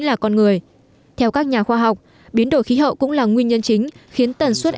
là con người theo các nhà khoa học biến đổi khí hậu cũng là nguyên nhân chính khiến tần suất